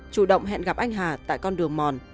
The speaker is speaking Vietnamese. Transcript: chủ động hẹn gặp anh hà tại con đường mòn